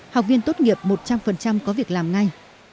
học viên tốt nghiệp một trăm linh có việc làm ngay